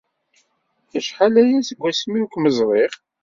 Acḥal aya seg wasmi ur kem-ẓriɣ.